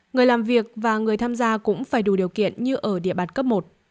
người làm việc và người tham gia cũng phải đủ điều kiện như ở địa bàn cấp một